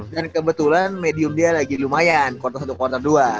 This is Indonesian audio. dan kebetulan medium dia lagi lumayan quarter satu quarter dua